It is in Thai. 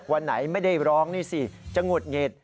วันไหนไม่ได้ร้องนี่สิจะหงุดหงิด